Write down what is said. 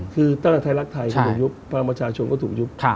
คือตั้งแต่ไทยรักไทยก็ถูกยุบภาคประชาชนก็ถูกยุบ